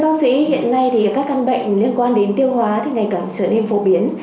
bác sĩ hiện nay các căn bệnh liên quan đến tiêu hóa thì ngày cầm trở nên phổ biến